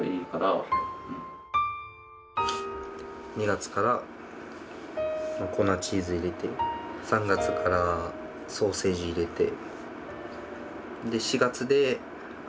２月から粉チーズ入れて３月からソーセージ入れて。